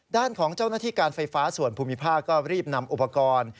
ด้านของเจ้าหน้าที่การไฟฟ้าส่วนภูมิภาคก็รีบนำอุปกรณ์